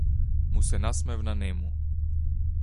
Му се насмевна нему.